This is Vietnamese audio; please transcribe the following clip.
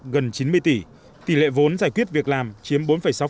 gần chín mươi tỷ tỷ lệ vốn giải quyết việc làm chiếm bốn sáu